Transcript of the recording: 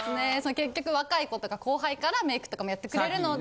結局若い子とか後輩からメイクとかもやってくれるので。